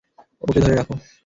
ওকে ধরে রাখো!